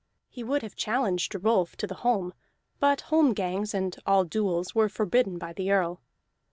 He would have challenged Rolf to the holm, but holm gangs and all duels were forbidden by the Earl.